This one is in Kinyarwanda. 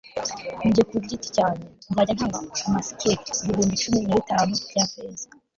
jye ku giti cyanjye, nzajya ntanga amasikeli ibihumbi cumi na bitanu bya feza